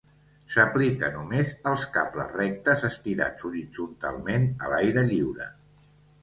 S'aplica només als cables rectes estirats horitzontalment a l'aire lliure.